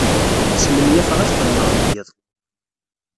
Smenyafeɣ ad xedmeɣ deg iḍ.